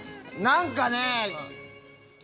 何かね。